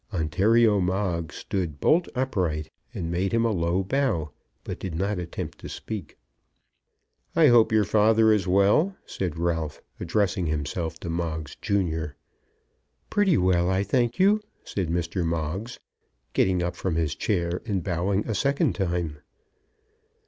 Ontario Moggs stood bolt upright and made him a low bow, but did not attempt to speak. "I hope your father is well," said Ralph, addressing himself to Moggs junior. "Pretty well, I thank you," said Mr. Moggs, getting up from his chair and bowing a second time.